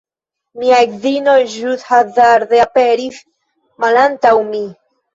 Mia edzino ĵus hazarde aperis malantaŭ mi